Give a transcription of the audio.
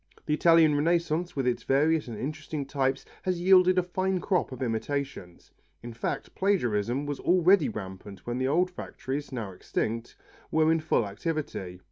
The Italian Renaissance with its various and interesting types has yielded a fine crop of imitations. In fact plagiarism was already rampant when the old factories, now extinct, were in full activity.